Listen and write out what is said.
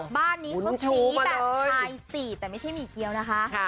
บ้านนี้เขาสีแบบชายสี่แต่ไม่ใช่หมี่เกี้ยวนะคะ